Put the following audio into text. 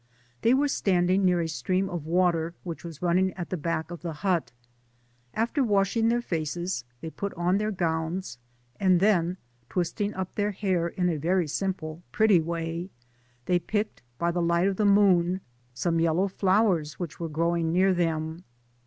They were standing near a stream of water, which was running at the back of the hut. After washing their faces, they put on their gowns, and then twisting up their hair in a very simple pretty way, they picked, by the Ught of the moon, some yellow flowers which were growing Digitized byGoogk BL BEONCB DB PBTOBOAt S08 near them.